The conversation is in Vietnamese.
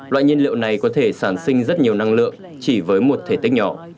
loại nhiên liệu này có thể sản sinh rất nhiều năng lượng chỉ với một thể tích nhỏ